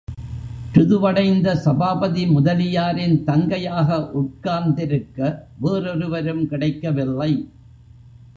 ருதுவடைந்த சபாபதி முதலியாரின் தங்கையாக உட்கார்ந்திருக்க வேறொருவரும் கிடைக்கவில்லை!